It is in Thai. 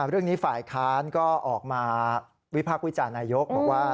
เรื่องนี้ฝ่ายค้านก็ออกมาวิพากษ์วิจารณนายกบอกว่า